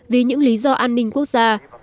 vì những lý do an ninh quốc gia